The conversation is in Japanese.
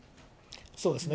そうですね。